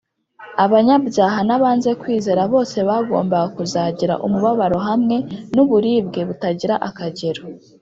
abanyabyaha n’abanze kwizera bose bagombaga kuzagira umubabaro hamwe n’uburibwe butagira akagero